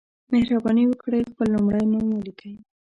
مهرباني وکړئ خپل لمړی نوم ولیکئ